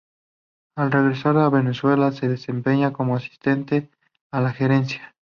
Al regresar a Venezuela, se desempeña como asistente a la gerencia.